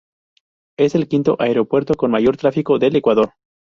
Es el quinto aeropuerto con mayor tráfico del Ecuador.